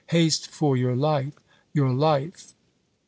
Haste for your life, your life!"